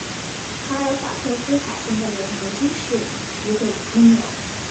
卡尔法克斯塔现在由牛津市议会拥有。